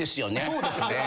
そうですね。